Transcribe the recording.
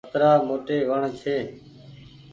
اترآ موٽي وڻ ڇي